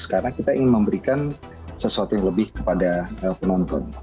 karena kita ingin memberikan sesuatu yang lebih kepada penonton